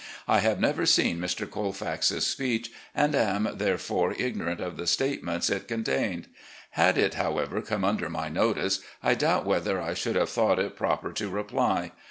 I have never seen Mr. Colfax's speech, and am, therefore, ignorant of the statements it contained. Had it, how ever, come under my notice, I doubt whether I should have thought it proper to reply.